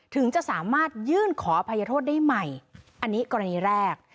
ถึงจะสามารถยื่นขออภัยโทษได้ใหม่อันนี้กรณีแรก